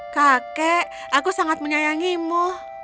kakek aku sangat menyayangimu